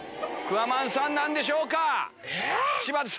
クワマンさんなんでしょうか？